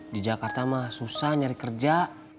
di jakarta mah susah nyari kerja